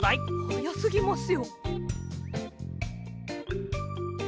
はやすぎますよ。